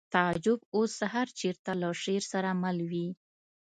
تعجب اوس هر چېرته له شعر سره مل وي